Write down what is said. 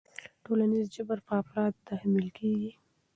ټولنیز جبر په افرادو تحمیل کېږي.